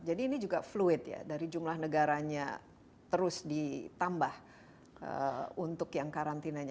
jadi ini juga fluid ya dari jumlah negaranya terus ditambah untuk yang karantinanya